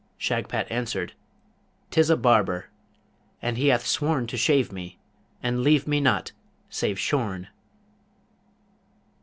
Shagpat answered, ''Tis a barber! and he hath sworn to shave me, and leave me not save shorn!'